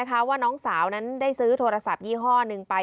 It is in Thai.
เพิ่มเติมว่าน้องสาวนั้นได้ซื้อโทรศัพท์ยี่ห้อนึงไป